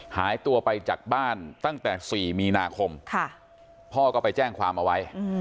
หายตัวไปจากบ้านตั้งแต่๔มีนาคมพ่อก็ไปแจ้งความเอาไว้